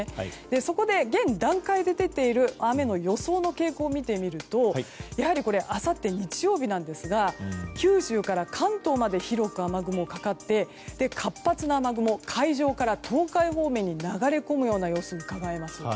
そこで現段階で出ている雨の予想の傾向を見てみるとあさって日曜日ですが九州から関東まで広く雨雲がかかって活発な雨雲海上から東海方面に流れ込むような様子がうかがえます。